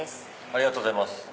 ありがとうございます。